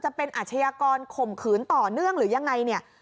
จะเป็นอาชญากรข่มขืนต่อเนื่องหรือยังไงเนี่ย